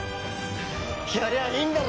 やりゃあいいんだろ？